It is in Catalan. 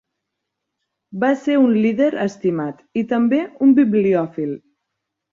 Va ser un líder estimat i també un bibliòfil.